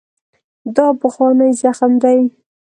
دا پخوانی زخم دی.